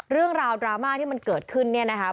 เรื่องราวดราม่าที่มันเกิดขึ้นเนี่ยนะคะ